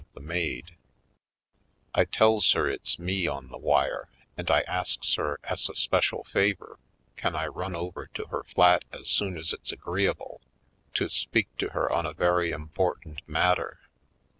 203 I tells her it's me on the wire and I asks her, as a special favor, can I run over to her flat as soon as it's agreeable, to speak to her on a very important matter?